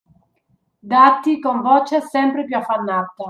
Dati con voce sempre piú affannata.